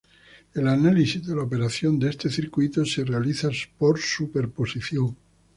El análisis de la operación de este circuito se realiza por superposición.